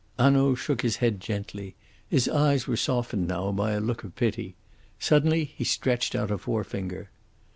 Hanaud shook his head gently. His eyes were softened now by a look of pity. Suddenly he stretched out a forefinger.